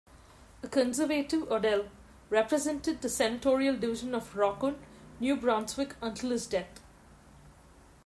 A Conservative, Odell represented the senatorial division of Rockwood, New Brunswick until his death.